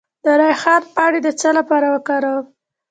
د ریحان پاڼې د څه لپاره وکاروم؟